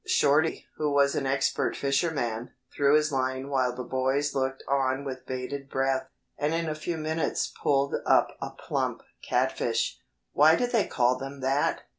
Shorty, who was an expert fisherman, threw his line while the boys looked on with bated breath, and in a few minutes pulled up a plump catfish. "Why do they call them that?"